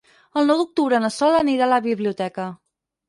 El nou d'octubre na Sol anirà a la biblioteca.